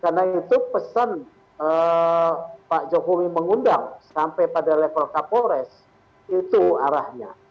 karena itu pesan pak jokowi mengundang sampai pada level kapolres itu arahnya